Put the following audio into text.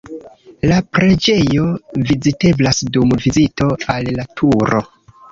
La preĝejo viziteblas dum vizito al la Turo.